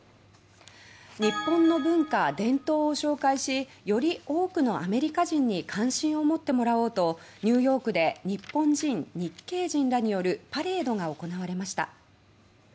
日本の文化、伝統を紹介しより多くのアメリカ人に関心を持ってもらおうとニューヨークで日本人、日系人らによるパレードが行われました。